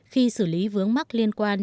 khi xử lý vướng mắc liên quan